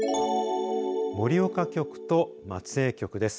盛岡局と松江局です。